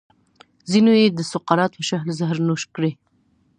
ځینو یې د سقراط په شکل زهر نوش کړي.